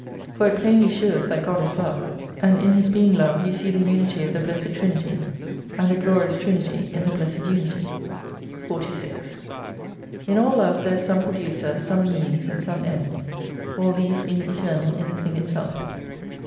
For it plainly sheweth that God is Love, and in His being Love you see the unity of the Blessed Trinity, and a glorious Trinity in the Blessed Unity. 46 In all Love there is some Producer, some Means, and some End : all these being internal in the thing itself.